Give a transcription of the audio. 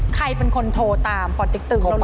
ใครเป็นคนโทรตามปอดติ๊กตึงเราลืม